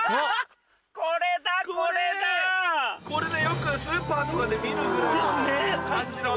これでよくスーパーとかで見るぐらいの感じの。